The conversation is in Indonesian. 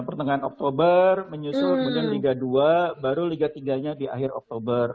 pertengahan oktober menyusul kemudian liga dua baru liga tiga nya di akhir oktober